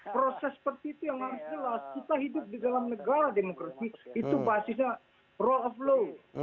proses seperti itu yang harus jelas kita hidup di dalam negara demokrasi itu basisnya rule of law